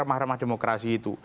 remah remah demokrasi itu